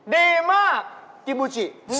ดีมากกิบูชิ